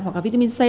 hoặc là vitamin c